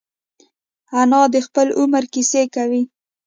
انا د خپل عمر کیسې کوي